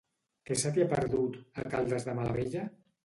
Què se t'hi ha perdut, a Caldes de Malavella?